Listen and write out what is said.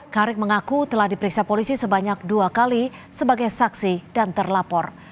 karik mengaku telah diperiksa polisi sebanyak dua kali sebagai saksi dan terlapor